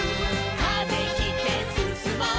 「風切ってすすもう」